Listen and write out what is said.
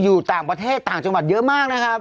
อยู่ต่างประเทศต่างจังหวัดเยอะมากนะครับ